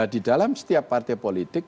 di dalam setiap partai politik